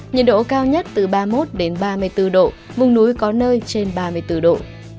nhiệt độ cao nhất từ ba mươi một ba mươi bốn độ vùng núi có nơi trên ba mươi bốn độ